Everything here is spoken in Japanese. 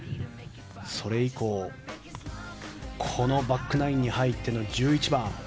それ以降、このバックナインに入っての１１番。